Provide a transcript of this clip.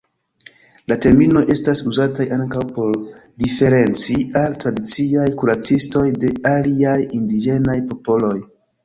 La terminoj estas uzataj ankaŭ por referenci al tradiciaj kuracistoj de aliaj indiĝenaj popoloj.